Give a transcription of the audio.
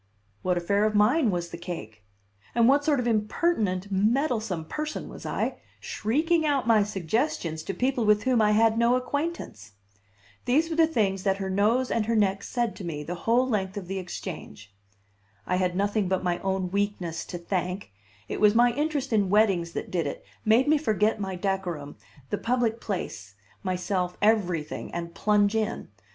What affair of mine was the cake? And what sort of impertinent, meddlesome person was I, shrieking out my suggestions to people with whom I had no acquaintance? These were the things that her nose and her neck said to me the whole length of the Exchange. I had nothing but my own weakness to thank; it was my interest in weddings that did it, made me forget my decorum, the public place, myself, everything, and plunge in.